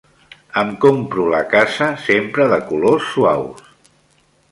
Em compro la casa sempre de colors suaus.